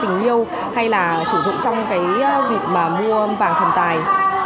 tình yêu hay là sử dụng trong dịp mua vàng thần tài